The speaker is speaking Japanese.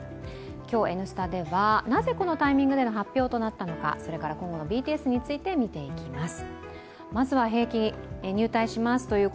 今日、「Ｎスタ」では、なぜこのタイミングでの発表になったのか、それから今後のＢＴＳについて見ていきます。